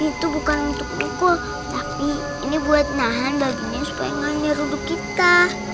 itu bukan untuk mukul tapi ini buat nahan dagingnya supaya gak nyaruduk kita